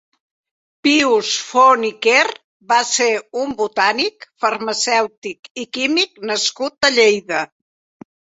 Pius Font i Quer va ser un botànic, farmacèutic i químic nascut a Lleida.